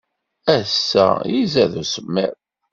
Ass-a, izad usemmiḍ.